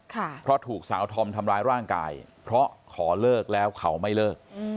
เพราะถูกสาวธอมทำร้ายร่างกายเพราะขอเลิกแล้วเขาไม่เลิก